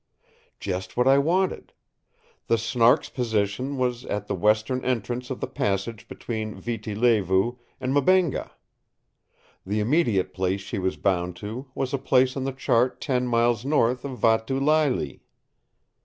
Just what I wanted. The Snark's position was at the western entrance of the passage between Viti Levu and Mbengha. The immediate place she was bound to was a place on the chart ten miles north of Vatu Leile.